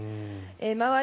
周り